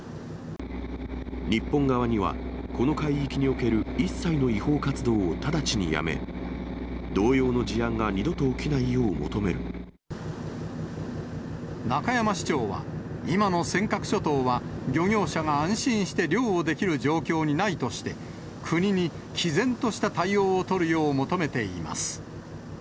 日本側には、この海域における一切の違法活動を直ちにやめ、同様の事案が二度中山市長は、今の尖閣諸島は漁業者が安心して漁をできる状況にないとして、国にきぜんとした対応を取るよう求めています。